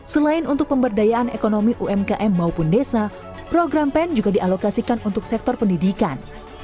selain untuk pemberdayaan ekonomi umkm maupun desa program pen juga dialokasikan untuk sektor pendidikan